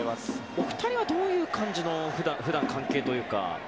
お二人はどういう感じの関係というか。